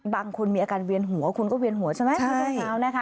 บางคนมีอาการเวียนหัวคุณก็เวียนหัวใช่ไหมครับ